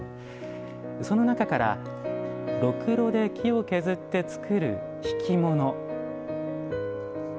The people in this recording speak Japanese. その中から、ろくろで木を削って作る挽物。